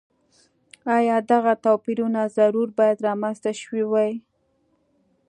ایا دغه توپیرونه ضرور باید رامنځته شوي وای.